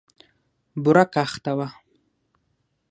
بوره کاخته وه.